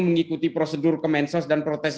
mengikuti prosedur kemensos dan protes